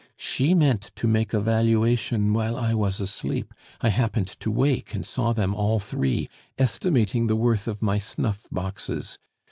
She meant to make a valuation while I was asleep; I happened to wake, and saw them all three, estimating the worth of my snuff boxes.